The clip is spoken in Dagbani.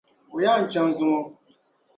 O yaa ni chaŋ zuŋo.